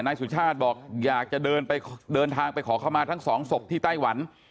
นายสุชาติบอกอยากจะเดินไปเดินทางไปขอเข้ามาทั้งสองศพที่ไต้หวัน